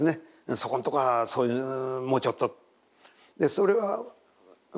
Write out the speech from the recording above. そこのところはそういうもうちょっと。